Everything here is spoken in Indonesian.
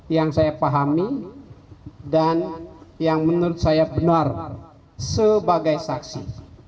yang saya pahami dan yang menurut saya benar sebagai saksi